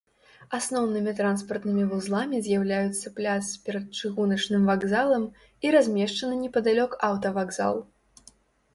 Асноўнымі транспартнымі вузламі з'яўляюцца пляц перад чыгуначным вакзалам і размешчаны непадалёк аўтавакзал.